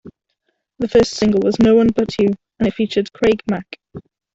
The first single was "No One But You" and it featured Craig Mack.